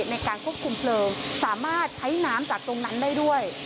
ในการควบคุมเพลิงสามารถใช้น้ำจากตรงนั้นได้ด้วย